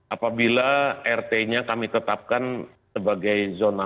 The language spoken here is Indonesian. apabila rt nya kami tetapkan sebagai zona merah